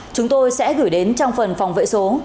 chúng tôi sẽ gửi đến trong phần phòng vệ số